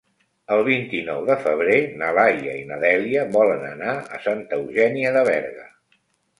El vint-i-nou de febrer na Laia i na Dèlia volen anar a Santa Eugènia de Berga.